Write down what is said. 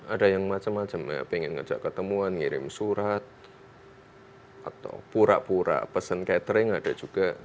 ada yang macam macam pengen ngajak ketemuan ngirim surat atau pura pura pesen catering ada juga